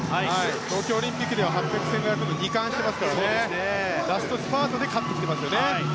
東京オリンピックでは８００、１５００と２冠なのでラストスパートで勝ってきてますよね。